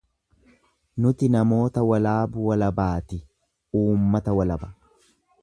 Nuti namoota walaabu walabaati, uummata walaba.